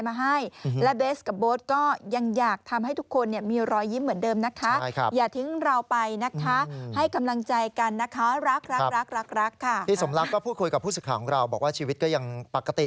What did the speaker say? ใช่ส่งกำลังใจมาให้คุณพ่อคุณแม่